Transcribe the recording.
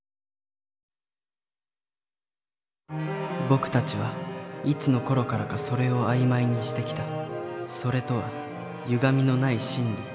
僕たちはいつのころからか「それ」を曖昧にしてきた「それ」とはゆがみのない真理